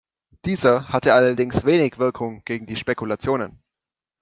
Dieser hatte allerdings wenig Wirkung gegen die Spekulationen.